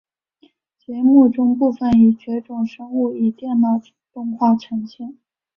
节目中部分已绝种生物以电脑动画呈现。